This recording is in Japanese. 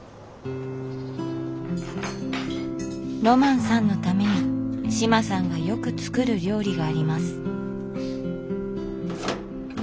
ロマンさんのために志麻さんがよく作る料理があります。